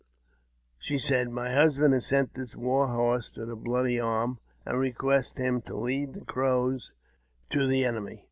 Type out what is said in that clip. She said, " My husband has sent this war horse to the Bloody Arm, and requests him to lead the Crows to the enemy."